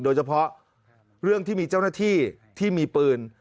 โดยเฉพาะเรื่องที่มีเจ้าหน้าที่ที่มีปืน